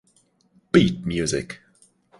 Beat Music!